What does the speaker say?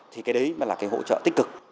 thì cái đấy là hỗ trợ tích cực